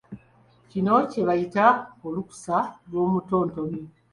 Kino kye bayita olukusa lw’omutontomi.